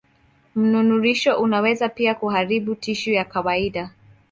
Mnururisho unaweza pia kuharibu tishu ya kawaida.